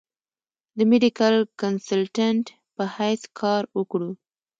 د ميډيکل کنسلټنټ پۀ حېث کار اوکړو ۔